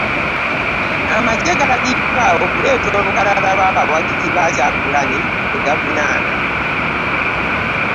Amagye galagiddwa okuleeta olukalala lw'abawagizi ba Kyagulanyi be gavunaana